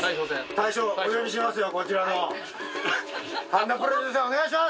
大将お願いしますよこちらの。